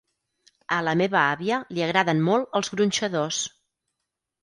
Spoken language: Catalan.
A la meva àvia li agraden molt els gronxadors.